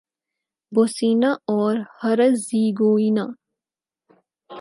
Bosnia اور Herzegovina